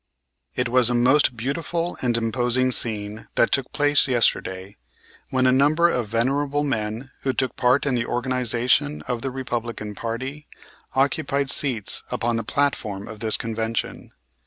"It was a most beautiful and imposing scene that took place yesterday when a number of venerable men who took part in the organization of the Republican party, occupied seats upon the platform of this convention.